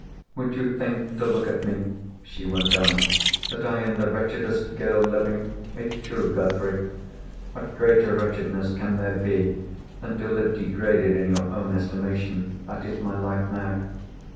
"Would you think, to look at me," she went on, "that I am the wretchedest girl living? It's true, Godfrey. What greater wretchedness can there be than to live degraded in your own estimation? That is my life now."